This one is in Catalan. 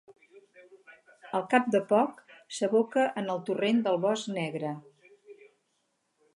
Al cap de poc s'aboca en el torrent del Bosc Negre.